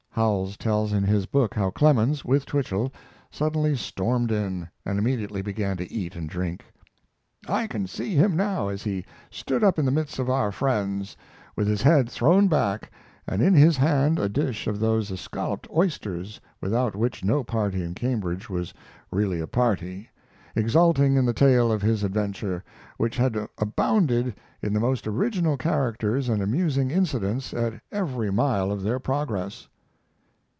Howells tells in his book how Clemens, with Twichell, "suddenly stormed in," and immediately began to eat and drink: I can see him now as he stood up in the midst of our friends, with his head thrown back, and in his hand a dish of those escalloped oysters without which no party in Cambridge was really a party, exulting in the tale of his adventure, which had abounded in the most original characters and amusing incidents at every mile of their progress.